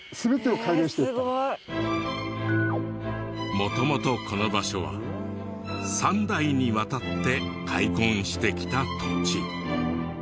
元々この場所は３代にわたって開墾してきた土地。